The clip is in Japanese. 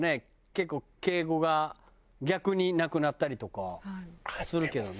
結構敬語が逆になくなったりとかするけどな。